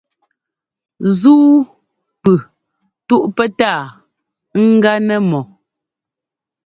Ńzúu pʉ túʼ pɛtáa ɛ́gá nɛ́ mɔ.